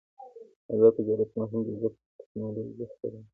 آزاد تجارت مهم دی ځکه چې تکنالوژي خپروي.